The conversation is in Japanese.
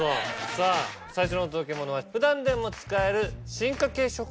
さぁ最初のお届けモノは普段でも使える。